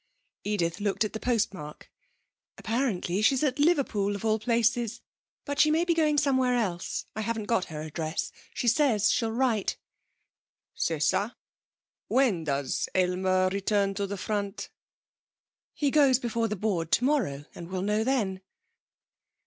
Edith looked at the postmark. 'Apparently she's at Liverpool, of all places; but she may be going somewhere else. I haven't got her address. She says she'll write.' 'C'est ça.... When does Aylmer return to the front?' 'He goes before the Board tomorrow and will know then.'